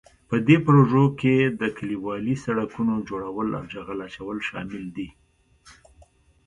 په دې پروژو کې د کلیوالي سړکونو جوړول او جغل اچول شامل دي.